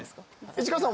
市川さん